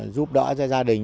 giúp đỡ cho gia đình